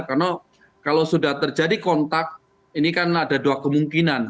karena kalau sudah terjadi kontak ini kan ada dua kemungkinan